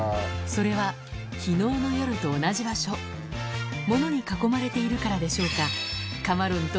それは昨日の夜と同じ場所物に囲まれているからでしょうか？